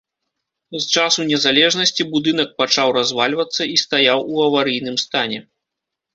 З часу незалежнасці будынак пачаў развальвацца і стаяў у аварыйным стане.